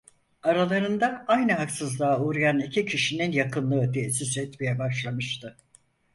Aralarında aynı haksızlığa uğrayan iki kişinin yakınlığı teessüs etmeye başlamıştı.